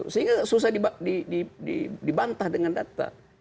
sehingga susah dibantah dengan data